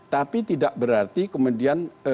tapi tidak berarti kemudian